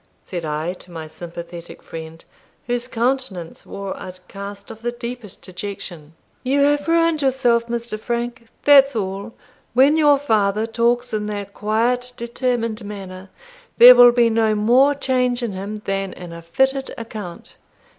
said I to my sympathetic friend, whose countenance wore a cast of the deepest dejection. "You have ruined yourself, Mr. Frank, that's all. When your father talks in that quiet determined manner, there will be no more change in him than in a fitted account."